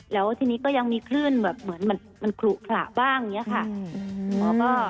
แล้วทีนี้ก็ยังมีคลื่นแบบเหมือนมันขลุขระบ้างอย่างนี้ค่ะ